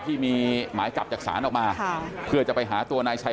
ที่มีหมายจับจากศาลออกมาค่ะเพื่อจะไปหาตัวนายชัย